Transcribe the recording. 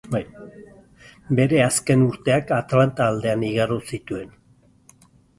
Bere azken urteak Atlanta aldean igaro zituen.